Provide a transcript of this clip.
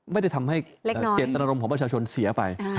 ไม่ได้ทำให้เจตนารมณ์ของประชาชนเสียไป